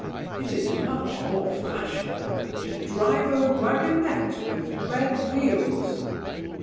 It is much more fashionable to drive a waggonette with red wheels."